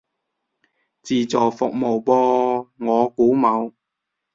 自助服務噃，我估冇